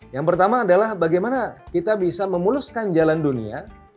yang pertama adalah bagaimana kita bisa memuluskan jalan dunia